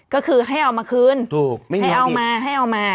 ก็คือให้เอามาคืนถูกไม่ให้เอามาให้เอามา